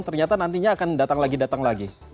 ternyata nantinya akan datang lagi datang lagi